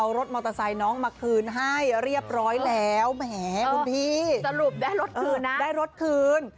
สรุปได้รถคืนนะได้รถคืน